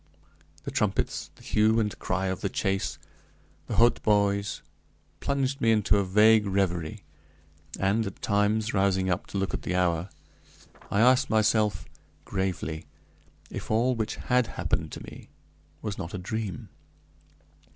The trumpets, the hue and cry of the chase, the hautboys, plunged me into a vague reverie, and, at times rousing up to look at the hour, I asked myself gravely, if all which had happened to me was not a dream.